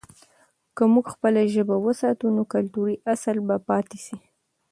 که موږ خپله ژبه وساتو، نو کلتوري اصل به پاته سي.